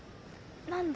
何で？